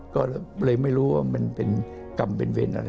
ก็เลยไม่รู้ว่ามันเป็นกรรมเป็นเวรอะไร